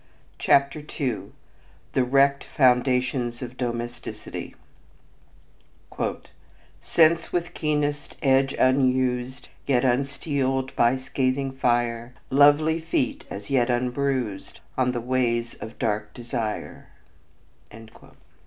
CHAPTER II THE WRECKED FOUNDATIONS OF DOMESTICITY "Sense with keenest edge unused Yet unsteel'd by scathing fire: Lovely feet as yet unbruised On the ways of dark desire!"